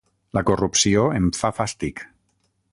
La corrupció em fa fàstic.